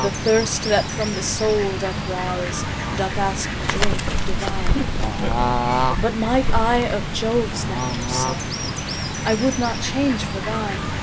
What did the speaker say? The thirst that from the soul doth riseDoth ask a drink divine; But might I of Jove's nectar sup,I would not change for thine.